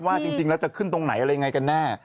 ว่าจริงแล้วจะขึ้นตรงไหนอะไรยังไงกันแน่